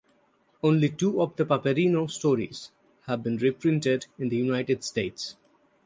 Only two of the "Paperino" stories have been reprinted in the United States.